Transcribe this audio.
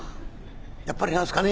やっぱり何ですかね